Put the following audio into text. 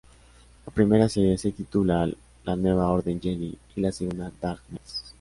La primera serie se titula "La Nueva Orden Jedi" y la segunda "Dark Nest".